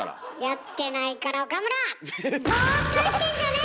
やってないから岡村！